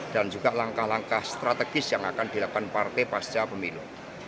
dan juga langkah langkah strategis yang akan dilakukan partai pasca pemilu